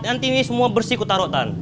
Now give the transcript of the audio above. nanti ini semua bersih kutarok tan